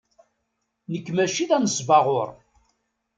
Nekk maci d anesbaɣur.